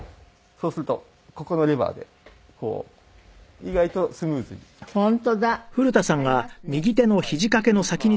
そうするとここのレバーでこう意外とスムーズに。